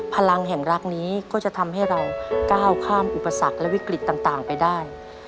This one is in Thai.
พลังแห่งรักนี้ก็จะทำให้เราก้าวข้ามอุปสรรคและวิกฤตต่างไปได้